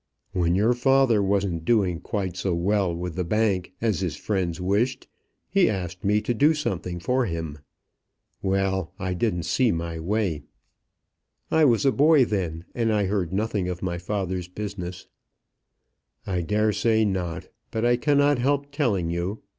"When your father wasn't doing quite so well with the bank as his friends wished, he asked me to do something for him. Well; I didn't see my way." "I was a boy then, and I heard nothing of my father's business." "I dare say not; but I cannot help telling you.